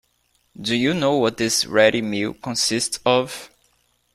Do you know what this ready meal consists of?